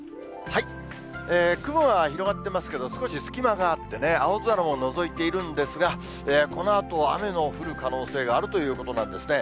雲が広がってますけど、少し隙間があってね、青空ものぞいているんですが、このあと、雨の降る可能性があるということなんですね。